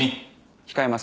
控えますよ。